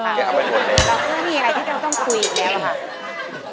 เราก็ไม่มีอะไรที่ต้องคุยอีกแล้วค่ะ